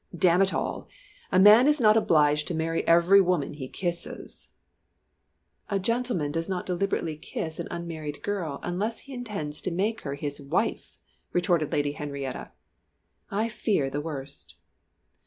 "Damn it all! a man is not obliged to marry every woman he kisses!" "A gentlemen does not deliberately kiss an unmarried girl unless he intends to make her his wife!" retorted Lady Henrietta. "I fear the worst!"